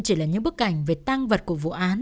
chỉ là những bức ảnh về tăng vật của vụ án